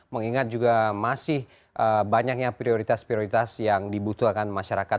mengingat juga masih banyaknya prioritas prioritas yang dibutuhkan masyarakat